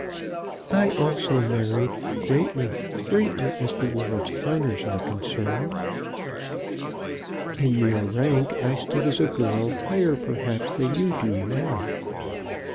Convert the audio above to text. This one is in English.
"I also married greatly; greatly, as the world's honours are concerned. In mere rank I stood as a girl higher perhaps than you do now.